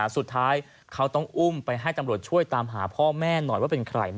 สุดท้ายเขาต้องอุ้มไปให้ตำรวจช่วยตามหาพ่อแม่หน่อยว่าเป็นใคร